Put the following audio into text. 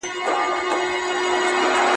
دوی بېلابېلې ټولني ليدلې وې.